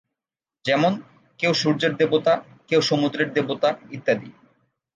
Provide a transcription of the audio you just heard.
যেমন, কেউ সূর্যের দেবতা, কেউ সমুদ্রের দেবতা ইত্যাদি।